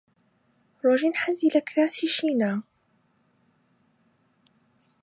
ڕۆژین حەزی لە کراسی شینە.